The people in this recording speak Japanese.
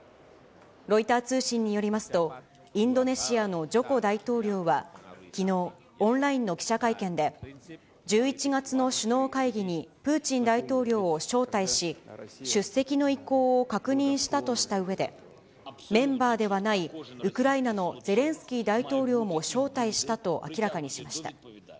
ロイター通信によりますと、インドネシアのジョコ大統領は、きのう、オンラインの記者会見で、１１月の首脳会議にプーチン大統領を招待し、出席の意向を確認したとしたうえで、メンバーではないウクライナのゼレンスキー大統領も招待したと明らかにしました。